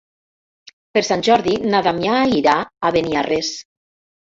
Per Sant Jordi na Damià irà a Beniarrés.